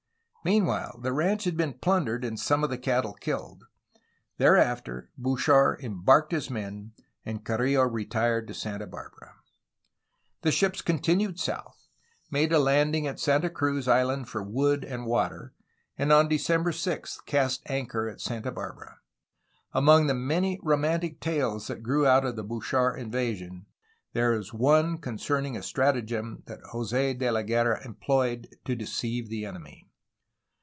Meanwhile the ranch had been plundered and some of the cattle killed. Thereafter Bouchard embarked his men, and Carrillo retired to Santa Barbara. The ships continued south, made a landing at Santa Cruz Island for wood and water, and on December 6 cast anchor at Santa Barbara. Among the many romantic tales that grew out of the Bouchard invasion, there is one concerning a stratagem that Jos6 De la Guerra employed to deceive the enemy.